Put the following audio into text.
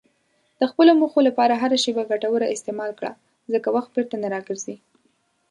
د خپلو موخو لپاره هره شېبه ګټوره استعمال کړه، ځکه وخت بیرته نه راګرځي.